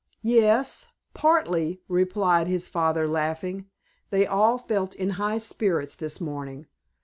"Yes,—partly," replied his father laughing. They all felt in high spirits this morning.